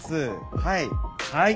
はい。